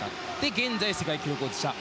現在、世界記録保持者。